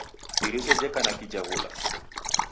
Iriso jeka na kijaghula.